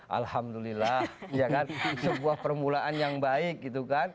alhamdulillah sebuah permulaan yang baik